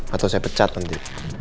atau saya pecat nanti